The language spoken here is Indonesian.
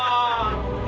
sampai jumpa lagi